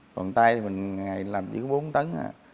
còn tay thì một ngày làm chỉ có bốn tấn